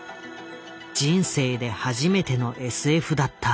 人生で初めてのＳＦだった。